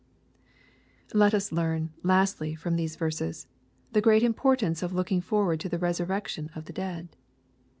Let us learn, lastly, from these verses, (he great im* portance of looking forward to the resurrection of the dead.